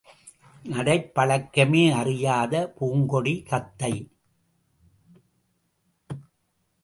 நடைப் பழக்கமே அறியாத பூங்கொடி தத்தை.